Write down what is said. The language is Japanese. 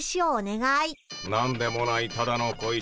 「何でもないただの小石」